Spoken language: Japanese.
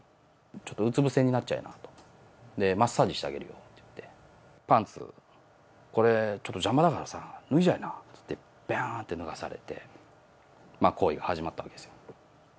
ちょっとうつ伏せになっちゃいなよって、マッサージしてあげるよって言って、パンツ、これ、ちょっと邪魔だからさ、脱いじゃいなって言って、びゃーって脱がされて、まあ、行為が始まったわけですよ。